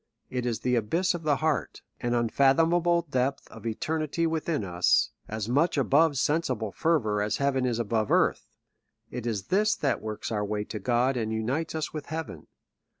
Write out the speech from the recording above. It is the abyss of the heart, an unfathomable depth of eternity within us, as much above sensible fervour as heaven is above earth ; it is this that works our way to God and unites us with heaven.